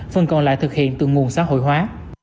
phần còn lại thực hiện từ nguồn xã hội hóa